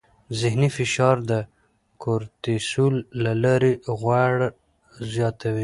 ذهني فشار د کورتیسول له لارې غوړ زیاتوي.